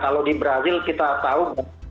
kalau di brazil kita tahu